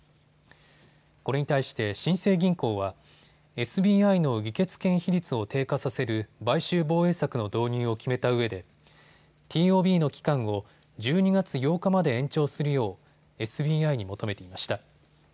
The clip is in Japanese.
これに対して新生銀行はＳＢＩの議決権比率を低下させる買収防衛策の導入を決めたうえでＴＯＢの期間を１２月８日まで延長するようＳＢＩに求めていました。